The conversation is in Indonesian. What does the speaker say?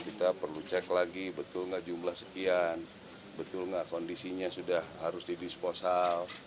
kita perlu cek lagi betul nggak jumlah sekian betul nggak kondisinya sudah harus di disposal